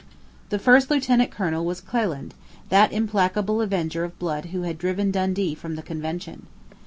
The first Lieutenant Colonel was Cleland, that implacable avenger of blood who had driven Dundee from the Convention.